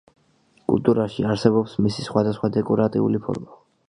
კულტურაში არსებობს მისი სხვადასხვა დეკორატიული ფორმა.